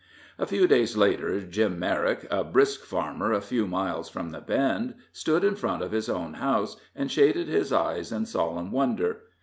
A few days later Jim Merrick, a brisk farmer a few miles from the Bend, stood in front of his own house, and shaded his eyes in solemn wonder.